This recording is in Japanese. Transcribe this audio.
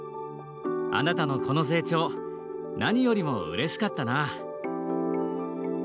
あなたのこの成長何よりも、うれしかったな」。